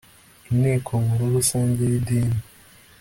inteko nkuru rusange yi dini